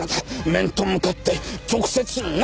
面と向かって直接な！